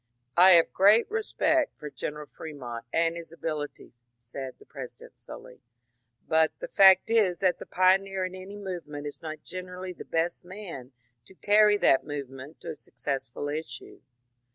^^ I have great respect for General Fremont and his abilities," said the President slowly, ^^ but the fact is that the pioneer in any movement is not generally the best man to carry that movement to a successful issue.